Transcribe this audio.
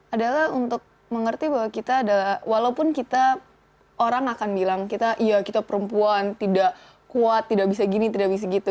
adalah untuk mengerti bahwa kita adalah walaupun kita orang akan bilang kita ya kita perempuan tidak kuat tidak bisa gini tidak bisa gitu